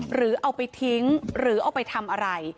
หรือเอาไปทิ้งหรือเอาไปทำอะไร